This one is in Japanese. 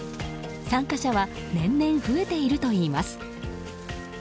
参加者は年々増えているといいます。